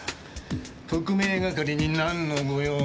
特命係に何のご用が？